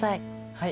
はい。